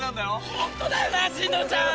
ホントだよな進藤ちゃん。